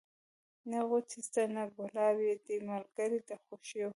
نه غوټۍ سته نه ګلاب یې دی ملګری د خوښیو